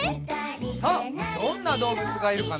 さあどんなどうぶつがいるかな？